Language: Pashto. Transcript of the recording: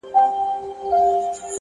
صبر د اوږدو لارو تر ټولو ښه ملګری دی،